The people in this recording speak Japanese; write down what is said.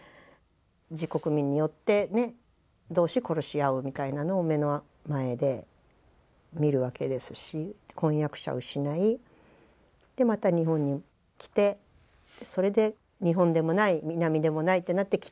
自国民によって同士殺し合うみたいなのを目の前で見るわけですし婚約者を失いまた日本に来てそれで日本でもない南でもないってなって北を信じた。